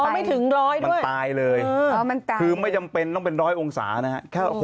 อ๋อไม่ถึง๑๐๐ด้วยมันตายเลยคือไม่จำเป็นต้องเป็น๑๐๐องศานะครับ